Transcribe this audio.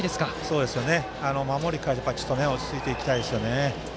そうですよね、守りから落ち着いていきたいですよね。